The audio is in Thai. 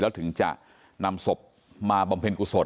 ตลอดทั้งคืนตลอดทั้งคืน